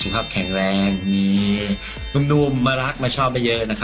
ขอบคุณวิทย์หนุ่มนะคะขอบคุณวิทย์แม่ผีนะคะ